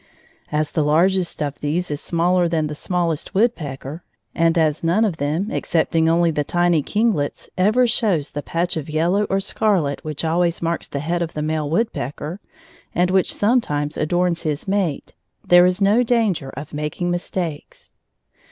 As the largest of these is smaller than the smallest woodpecker, and as none of them (excepting only the tiny kinglets) ever shows the patch of yellow or scarlet which always marks the head of the male woodpecker, and which sometimes adorns his mate, there is no danger of making mistakes.